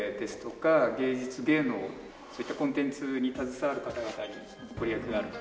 そういったコンテンツに携わる方々に御利益がある。